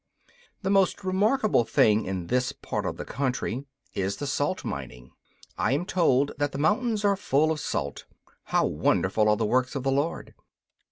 The most remarkable thing in this part of the country is the salt mining. I am told that the mountains are full of salt how wonderful are the works of the Lord!